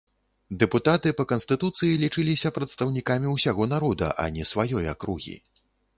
Дэпутаты па канстытуцыі лічыліся прадстаўнікамі ўсяго народа, а не сваёй акругі.